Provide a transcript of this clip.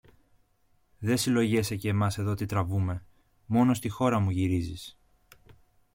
Δε συλλογιέσαι και μας εδώ τι τραβούμε, μόνο στη χώρα μου γυρίζεις;